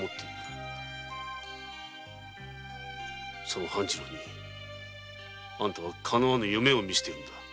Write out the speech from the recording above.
その半次郎にあんたはかなわぬ夢を見せている。